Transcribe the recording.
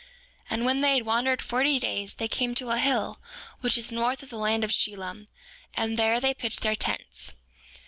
7:5 And when they had wandered forty days they came to a hill, which is north of the land of Shilom, and there they pitched their tents.